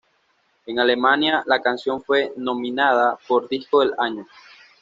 En Alemania la canción fue nominada por "Disco del Año".